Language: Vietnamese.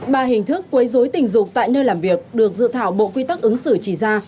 ba hình thức quấy dối tình dục tại nơi làm việc được dự thảo bộ quy tắc ứng xử chỉ ra